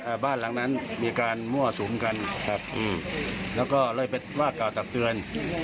บ้านหลังนั้นมีการมั่วสุมกันครับอืมแล้วก็เลยไปว่ากล่าวตักเตือน